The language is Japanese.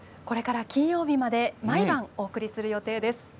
これから金曜日まで毎晩お送りする予定です。